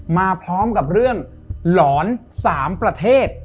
มาพร้อมกับเรื่องหลอน๓ประเทศ